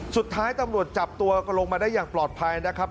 สุดท้ายตำรวจจับตัวก็ลงมาได้อย่างปลอดภัยนะครับ